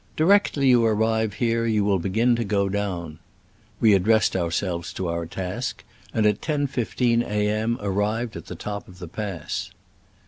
Directly you arrive here you will begin to go down. We addressed ourselves to our task, and at lo.i 5 A. M. arrived at the top of the pass.